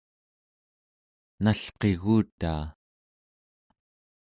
nalqigutaa